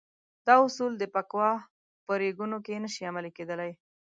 دا اصول د بکواه په ریګونو کې نه شي عملي کېدلای.